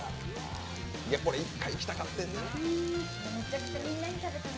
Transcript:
これ、１回行きたかってんな。